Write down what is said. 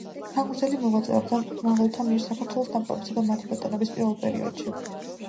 მხარგრძელი მოღვაწეობდა მონღოლთა მიერ საქართველოს დაპყრობისა და მათი ბატონობის პირველ პერიოდში.